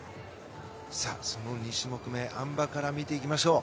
その第２種目めあん馬から見ていきましょう。